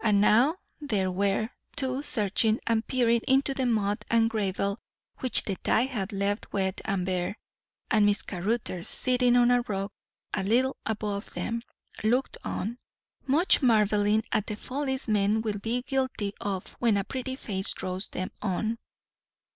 And now there were two searching and peering into the mud and gravel which the tide had left wet and bare; and Miss Caruthers, sitting on a rock a little above them, looked on; much marvelling at the follies men will be guilty of when a pretty face draws them on.